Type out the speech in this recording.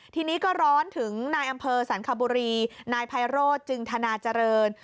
ทีนี้ก็ร้อนถึงนายอำเภอสรรคบุรีนายไพโรธจึงธนาเจริญ